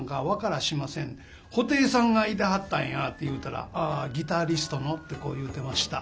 「布袋さんがいてはったんや」って言うたら「ギタリストの？」ってこう言うてました。